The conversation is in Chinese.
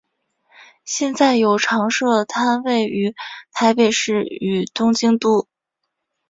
现在有常设摊位于台北市与东京都。